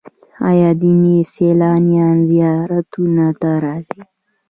آیا دیني سیلانیان زیارتونو ته راځي؟